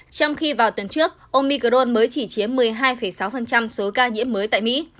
trong khi vào tuần trước omicron mới chỉ chiếm một mươi hai sáu số ca nhiễm mới tại mỹ